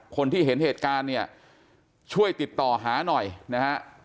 คนที่เห็นเหตุการณ์เนี่ยช่วยติดต่อหาหน่อยนะฮะ